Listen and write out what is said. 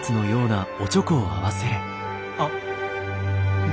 あっ。